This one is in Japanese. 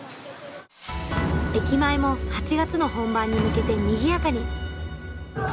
駅前も８月の本番に向けてにぎやかに！